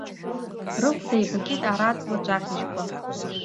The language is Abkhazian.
Рыхәда еибакит араҵлаҿ ахьыжьқәа…